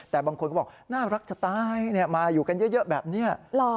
แต่บางคนก็บอกน่ารักจะตายมาอยู่กันเยอะแบบนี้